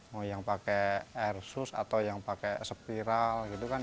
mau yang pakai air sus atau yang pakai spiral gitu kan